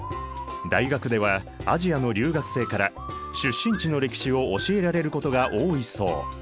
大学ではアジアの留学生から出身地の歴史を教えられることが多いそう。